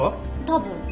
多分。